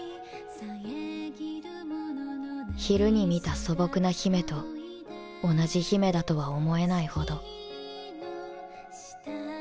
昼に見た素朴な姫と同じ姫だとは思えないほど